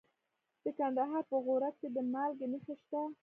د کندهار په غورک کې د مالګې نښې شته.